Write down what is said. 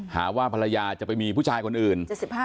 หาว่าภรรยาจะไปมีผู้ชายคนอื่น